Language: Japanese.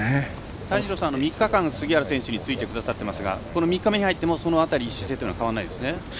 泰二郎さん、３日間杉原選手についてくださってますが３日目に入ってその辺り、姿勢というのは変わらないですね。